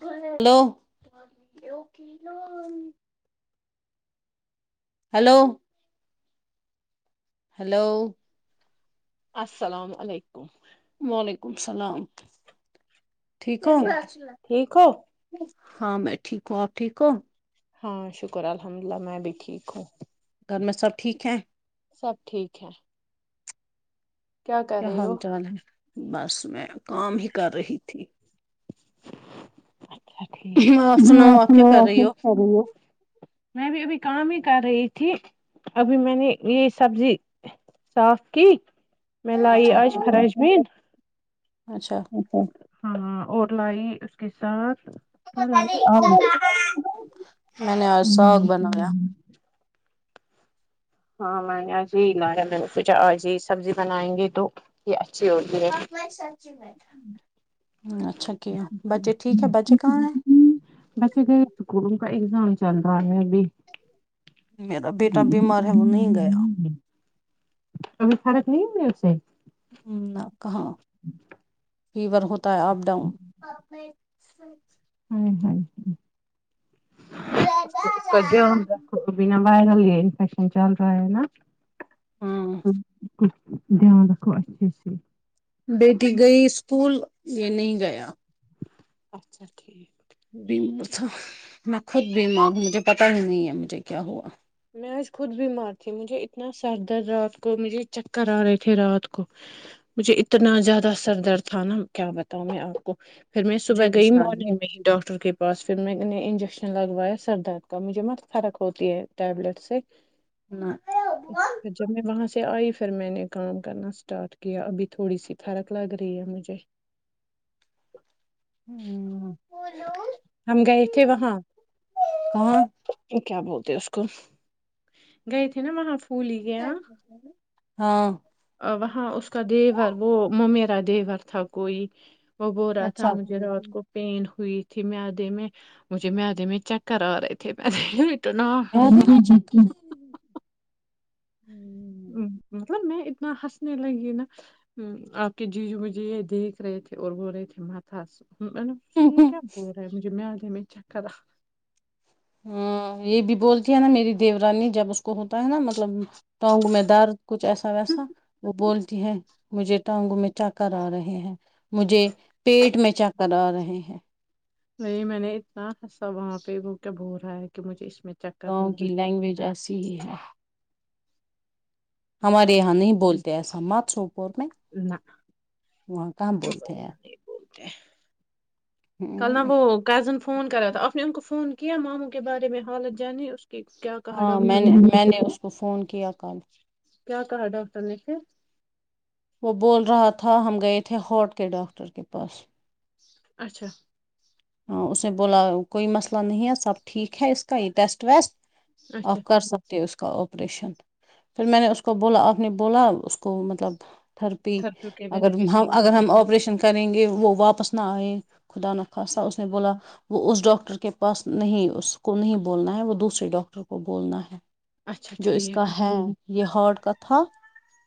hello hello hello السلام علیکم وعلیکم السلام ٹھیک ہو کیا ٹھیک ہو ہاں میں ٹھیک ہوں آپ ٹھیک ہو ہاں شکر الحمد اللہ میں بھی ٹھیک ہوں گھر میں سب ٹھیک ہیں سب ٹھیک ہے کر کیا رہے حال ہو چال ہے بس میں کام ہی کر رہی تھی اچھا آپ سناؤ آپ کیا کر رہی ٹھیکسمسم ہو خ رہی ہو میں بھی ابھی کام ہی کر رہی تھی ابھی میں نے یہ سبزی صاف کی میں لائیے اچھا آج فراجمین اچھا ہاں ہاں اور لائی اس کے ساتھ کیا لائی آلو، میں نے اور سوق بناویا ہاں میں نے آج یہی لایا میں نے سوچا آج یہی سبزی بنائیں گے تو یہ اچھی ہوتی ہے اچھا کیا بچے ٹھیک ہے بچے کہاں ہیں ویسے کہ اسکولوں کا اگزام چل رہا ہے ی میرا بیٹا بیمار ہے وہ نہیں گیا [unintelligible] ہ ہ ہ ہ ہ [unintelligible] اھی خارک نہیں م سےے [unintelligible] ہ نہ کہاں فیور ہوتا ت اپ ڈاؤن اچھا [unintelligible] ہ ہ [unintelligible] ک کا د ک بنا باہر ل گ شن چل رہا ہے نا ہوں ہ بالکل [unintelligible] دھیان رکھو اچھے سے بیٹی گئی اسکول یہ نہیں گیا اچھا ٹھیک میں خود بیمار ہوں مجھے پتا ہی نہیں ہے مجھے کیا ہوا میں آج خود بی مار تھی مجھے اتنا سر درد رات کو مجھے چکر آ رہے تھے رات کو مجھے اتنا زیادہ سر درد تھا نا کیا بتاؤں میں آپ کو پھر میں صبح مجھے بھی گئی شادی مارننگ میں ہی ڈاکٹر کے پاس پھر میں نے انجیکشن لگوایا سر درد کا مجھے مت فرق ہوتی ہے ٹبلٹس ایک نہ اچا جب میں وہاں سے سے آئی پھر میں نے کام کرنا اسٹارٹ کیا ابھی تھوڑی سی فرق لگ رہی ہے مجھے ہم گئے تھے وہاں کہاں کیا بول تو اس [unintelligible] کو گئے تھی نا وہاں پھولی کے یہاں ہاں ہاں اس کا دیور وہ م میرا دیور تھا کوئی وہ بو رہا تھا اچھا مجھے رات کو پین ہوئی تھی مدے میں مجھے مدے میں چکر آ رہے تھے مٹنا قید ہو جک [unintelligible] ہوں مطلب میں اتنا ہنسنے لگی نا آپ کے جی جو میںجھے یہ دیکھ رہے تھے اور بول رہے تھے ماتا ہس یہ کیا بول رہا ہے مجھے میں [unintelligible] ہاں یہ بھی بولتی ہے نا میری دیورانی جب اس کو ہوتا ہے نا مطلب ٹونگ میں درد کچھ ایسا ویسا وہ بول ہے مجھے ٹانگوں میں چکر آ رہے ہیں مجھے پیٹ میں چکر آ رہے ہیں نہیں میں نے اتنا حسا وہاں پہ وہ کیا ب ہو رہا ہے کہ مجھے اس میں چکر گاؤں آ رہا کی لینگویج ایسی ہی ہے ہمارے یہاں نہیں بولتے ایسا سمات سو کہاں بولتے کل ن ہیں وہ کزن فون کرا تھا آپ نے ان کو فون کیا کیا ماموں کے بارے میں حالت جانیے اس کی کیا کہا ہاں میں ڈاکٹر نے میں نے اس کو فون کیا کل کیا کہا ڈاکٹر نش اے ہاٹ کے ڈاکٹر کے پاس اچھا ہ اس نے بولا کوئی مسئلہ نہیں ہے سب ٹھیک ہے اس کا یہ ٹیسٹ ویسٹ اچھا آف کر سکتے اس کو کا آپریشن پھر میں نے اس کو بولا آپ نے بولا اس کو مطلب تھرپی تھرپیو کی وجہ اگر سے ہم ٹھیک ہو اگر گئی ہم آپریشن کریں گے وہ واپس نہ آئیں خدا نخاصا وہ اس ڈاکٹر کے پاس نہیں اس کو نہیں بولنا ہے وہ دوسرے ڈاکٹر کو بولنا ہے اچھا جو اس کا ٹھیک ہے یہ ہاٹ کتا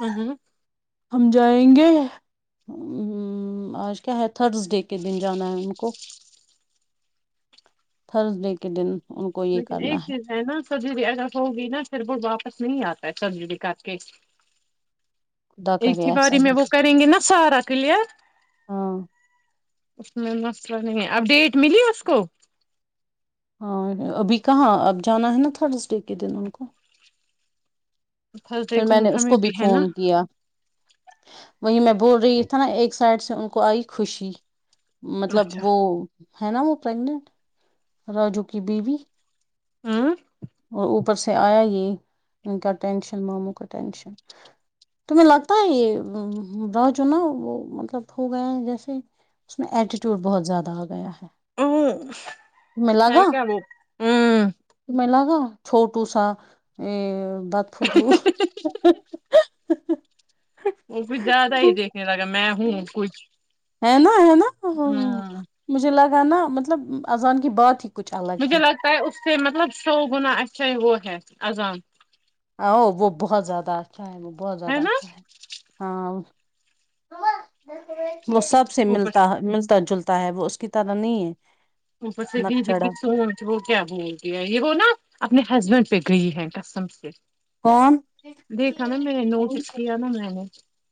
ہاں ہاں ہم جائیں گے آج کیا ہے تھرز ڈے کے دن جانا ہے ان کو تھرزڈے کے دن ان کو یہ لیکن کرنا ایک چیز ہے نا سب بھی اگر ہوگی نا پھر وہ واپس نہیں آتا پ سبزی بھی ک کے خدا کرے ایک ہی ایسا باری میں وہ کریں گے نا سارا کلیئر ہاں اس میں مسئلہ نہیں ہے اپڈیٹ ملی اس کو اور ابھی کہاں اب جانا ہے نا تھرسڈے کے دن ان کو تھرس ڈے پھر میں نے اس ہمیں کو بھی ہے نا فون کیا وہی میں بول رہی تھا نا ایک سائڈ سے ان کو آئی خوشی مطلب اچھا وہ ہے نا وہ پرگنٹ راجو کی بیوی ہاں اور اوپر سے آیا یہ ان کا ٹینشن ماموں کا ٹینشن تمہیں لگتا ہے یہ رہا جو نا وہ مطلب ہو گیا ہے جیسے اس میں ایٹیٹیوڈ بہت زیادہ آ گیا ہے ہوں تمیں لگا ہے کیا وہ تمیں لگا چھوٹو سا ا بات فھول ہو دفت وہ کچھ زیادہ ہی دیکھنے لگا میں ہوں کھ ہے نا ہے نا مجھے لگ نا مطلب اذان کی بات ہی کچھ الگ مجھے لگتا ہے اس سے مطلب سو گنا اچ وہ ہے عذان آ وہ بہت زیادہ اچ چائے میں بہت زیادہ اچھا ہے ہاں ہو ب وہ سب سے اوپر ملتا ملتا جلتا تا ہے وہ اس کی طرح نہیں ہے اوپر سے بھی نک دی کی چڑھا سوچ وہ کیا بول گیا یہ وہ نا اپنے ہسبینڈ پہ بھی گی ہیںین کاس سم سے کون دیکھا نا میں نوٹس کیا نا میں نے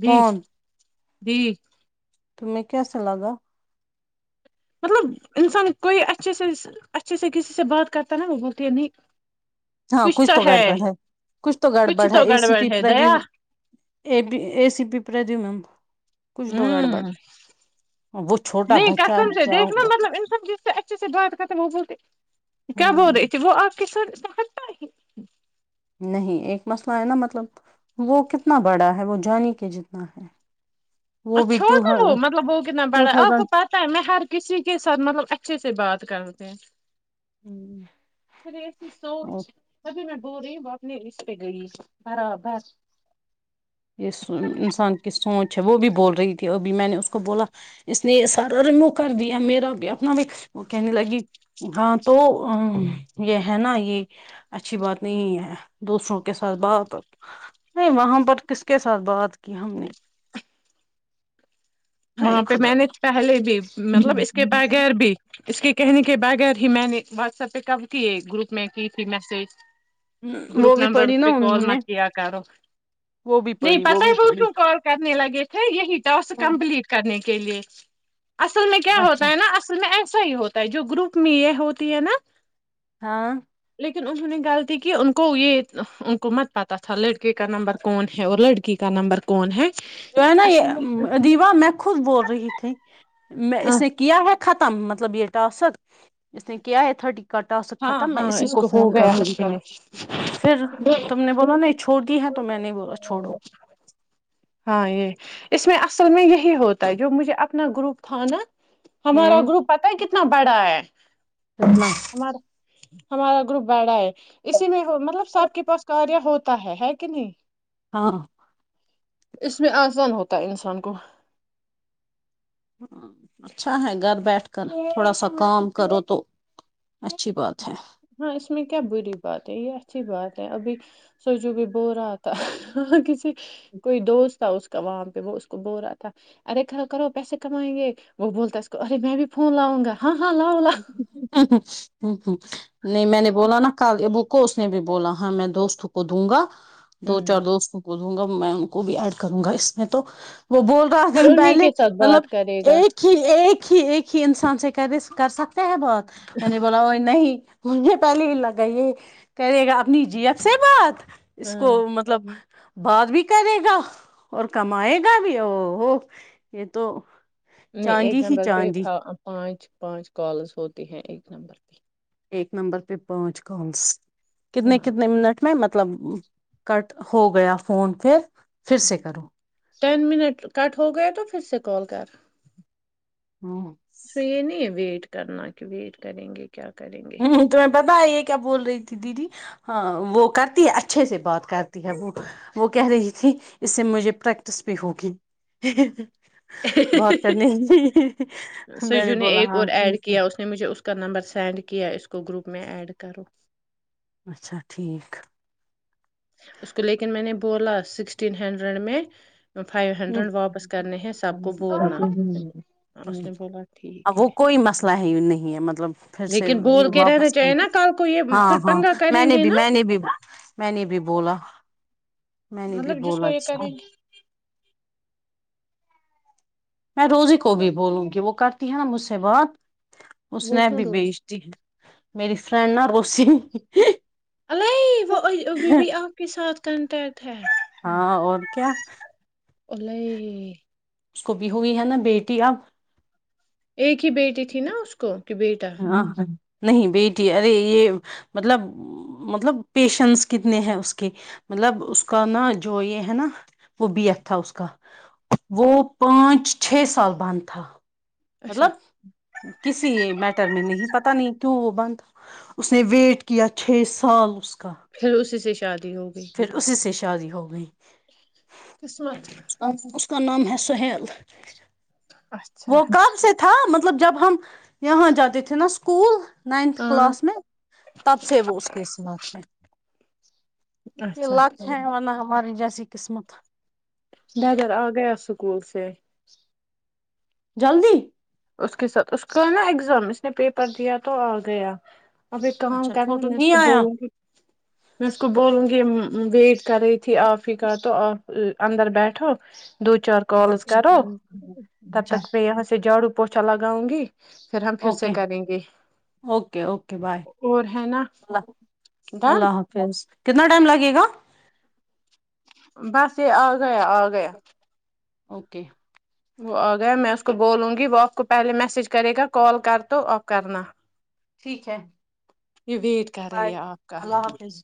بی کون جی تمہیں کیا صلا گا مطلب انسان کوئی اچھے سے اچھے سے کسی سے بات کرتا ہے نا وہ بولتی ہے نہیں ہاں کچھ تو گڑبڑ ہے کچھ تو گڑبڑ ہے تو ا سی گڑبڑ ہے پیپر بھی دیا اے سی پیپر بھی میم کچھ ہ تو گڑبڑ وہ چھوٹا نہیں بچہ قسم ہے سے کیا دیکھناا ہوا مطلب ان سب چیز سے اچھے سے بات ختم وہ ب کیا بول رہی ہوں تھی وہ آپ کس ستا ہے نہیں ایک مسئلہ ہے نا مطلب وہ کتنا بڑا ہے وہ جانی کہ جتنا ہے وہ بھی چھو ٹو نا وہ مطلب وہ کہتنا ٹو بڑا ہے آپ کو پت ہے میں ہر کسی کے ساتھ مطلب اچھے سے بات کروں پ تھاؤزینڈ کھر ایسی سوچ کبھی میں ب رہی ب اپنے رس پہ گئی برابر یہ انسان کی سوچ ہے وہ بھی بول رہی تھی ابھی میں نے اس کو بولا اس نے یہ سارا رموو کر دیا میرا بھی اپنا بھی وہ کہنے لگی ہاں تو یہ ہے نا یہ اچھی بات نہیں ہے دوسروں کے ساتھ بات نہیں وہاں پر ک اس کے ساتھ بات کی ہم نے ہائے وہاں پہ خدا میں نے پہلے بھی مطلب ا اس کے بغیر بھی اس کے کہنے کے بغیر ہی میں نے واٹسپ پہ ک کیے گروپ میں کی تھی میسج وہ گروپ بھی نمبر پڑھی نا پہ کال انہوں م نے کیا کرو وہ بھی نہیں پڑھی وہ پتا ہی بھی بول پڑھی کیوں کال کرنے لگے ہے یہی تو س کمپلیٹ کے لیے اصل میں کیا اچھا ہوتا ہے نا اصل میں ای ایسا ہی ہوتا ہے جو گروپ میں یہ ہوتی ہے نا ہاں انہوں نے غلطی کی ان کو یہ ان کو مت پتا تھا لڑکے کا نمبر کون ہے اور لڑکی کا نمبر کون ہے جو ہے نا اصل میں یہ دیوا میں خود بول رہی تھی میں اس نے کیا ہو ختم مطلب یہ ٹاسکت کہ آ تھٹی کٹا سے ہاں ختم میں ہاں اسی اس کو ہو فون گیا کروں گی پھر تم نے بولا نہیں چھوڑ دی ہے تو میں نہیں بولا چھوڑو ہاں یہ اس میں اصل میں یہی ہوتا ہے جو مجھے اپنا گروپ تھا نا ہمارا ہوں گروپ پتا ہے کتنا بڑا ہے ہمارا ہمارا گروپ بیھا ہے اسی میں مطلب سب کے پاس کاریہ ہوتا ہے کہ نہیں ہاں اس میں آسان ہوتا ہے انسان کو اچھا ہے گھر بیٹھ کر تھوڑا سا کام کرو تو اچھی بات ہے ہاں اس میں کیا بری بات ہے یہ اچھی بات ہے ابھی سوچو بھی بو رہا تھا ہ کسی کوئی دوست تھا اس کا وہام پہ وہ اس کو بو رہا تھا ارے کھرا کرو پیسے کمائیں گے وہ بولتا اس کو ارے میں بھی فون لاؤں گا ہاں ہاں لاؤ [inaudible] [inaudible] لاؤ جٹیک نہیں میں نے بولا نا ک بک کو اس نے بھی بولا ہاں میں دوست کو دوں گا دو چار ہوں دوستوں کو د گا میں ان کو بھی ایڈ کروں گا اس میں تو وہ بول رہا تھا پھر انہیں پہلے کے ساتھ مطلب بات کرے گا ایک ہی ایک ایکک ہی ایک ہیی انسان سے کرس کر سکتے ہیں بہت نے بلا ہو نہیں ہی مجھے پہلے ہی لگ گا یہ کہہے گا اپنی جی ایف سے بات اس کو ہاں مطلب بات بھی کرے گا اور کمائے گا بھی او ہو یہ تو نہیں چاندی ہی ایکگزامپل چاندی پ پانچ پانچ کالز ہوتے ہیں ایک نمبر پہ ایک نمبر پہ پانچ کالس کتنے ہاں کتنے منٹ میں مطلب کٹ ہو گیا فون پھر پھر سے کرو ٹین منٹ کٹ ہو گئے تو پھر سے کال کر ہوں سوئی یہ نہیں ہے ویٹ کرنا کہ ویٹ کریں گے کیا کریں گے ہوں تمہیں پتا ہے یہ کیا بول رہی تھی دیدی ہاں وہ کرتی ہے اچھے سے بات کرتی ہے وہ وہ کہہ رہی تھی اس سے مجھے پریکٹس بھی ہوگی بہت چنی جی میں نے سجو بولا ایک ہاں اور ایڈ ٹھیک کیا اس نے مجھے اس کا نمبر سینڈ کیا اس کو گروپ میں ایڈ کرو اچھا ٹھیک اس کو لیکن میں نے بولا سکسٹین ہنڈریڈ میں فائیو ہنڈریڈ واپس کرنے ہیں سب کو ہ بولنا اس نے بولا ہ ٹھیک وہ ہے کوئی مسئلہ ہے نہیں مطلب پھر سے لیکن یہ بول کے واپس رہنا چاہیے نا کل کو یہ ہاں پھر ہاں پنگا میں کریں نے گے بھی نا میں نے بھی میں نے بھی بولا میں نے بھی مطلب جس کو بولا یہ اس کریں گے میں روزی کو بھی بولوں گی وہ کرتی ہے نا مجھ سے بات اس وہ کون نےبھی روز بیچتی ہے میری فرنڈ نہا روش الے وہ بی بی آپ کے ساتھ کنٹیکٹ ہے ہاں اور کیا اللہ اس کو بھی ہوئی ہے نا بیٹی اب ایک ہی بیٹی تھی نا اس کو کہ بیٹا آ ہ نہیں بیٹی ارے یہ مطلب مطلب پیشنس کتنے ہیں اس کے مطلب اس کا نا جو یہ ہے نا وہ بی ایف تھا اس کا وہ پانچ چھ سال باندھ تھا اچھا مطلب کسی م ہی پت نہیں کیوں وہ بند اس نے ویٹ کیا چھ سال اس کا پھر اسی سے شادی ہو گئی پھر اسی سے شادی ہو گئی قسمت کا نام ہے سہیل اچھا وہ کم سے تھا مگر مطلب جب ہم یہاں جاتے تے تھے نہ اسکول نائنتھ ہاں کلاس میں تب سے وہ اس کے ساتھ ہیں یہ اچھا لچ ٹھیک ہے منا ہماری جیس قسمت برادر آ گیا اسکول سے جلدی اس کے ساتھ اس کا ہے نا ایگزام اس نے پیپر دیا تو آ گیا اب ایک کام اچھا کرنے فوٹو میں اس نہیں کو آیا بولوں گی میں اس کو بولوں گی ویٹ کر رہی تھی آپ ہی کا تو آپ اندر بیٹھو دو چار کالز اچھا کرو تب تک میں یہاں سے جھاڑو پوچھا لگاؤں گی پھر ہم پھر اوکے سے کریں گے اوکے اوکے بائے اور ہے نا اللہ ڈن اللہ حافظ کتنا ٹائم لگے گا بس یہ آ گیا آ گیا اوکے وہ آ گیا میں اس کو بولوں گی وہ آپ کو پہلے میسج کرے گا کال کرو تو آپ کرنا ٹھیک ہے میں ویٹ کر رہی بائے ہوں آپ کا [inaudible] اللہ حافظ